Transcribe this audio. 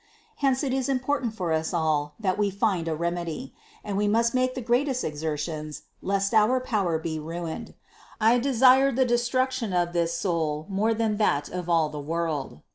Hence it is important for us all that we find a remedy ; and we must make the greatest exertions, lest our power be ruined. I desire the destruction of this soul more than that of all the world.